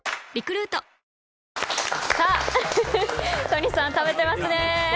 都仁さん、食べてますね。